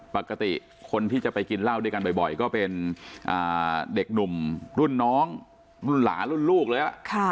ปกติคนที่จะไปกินเหล้าด้วยกันบ่อยก็เป็นเด็กหนุ่มรุ่นน้องรุ่นหลานรุ่นลูกเลย